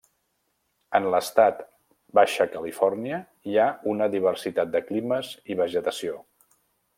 En l'estat Baixa Califòrnia hi ha una diversitat de climes i vegetació.